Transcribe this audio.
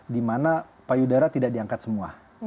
di mana payudara tidak diangkat semua